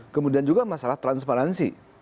kemudian juga masalah transparansi